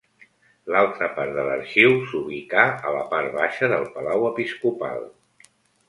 L'altra part de l'arxiu s'ubicà a la part baixa del palau episcopal.